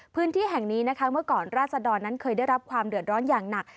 พื้นที่แห่งนี้นะคะเมื่อก่อนราศดรนั้นเคยได้รับความเดือดร้อนอย่างหนัก